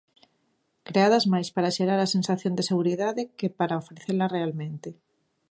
Creadas máis para xerar a sensación de seguridade que para ofrecela realmente.